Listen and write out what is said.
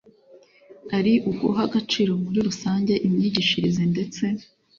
ari uguha agaciro muri rusange imyigishirize ndetse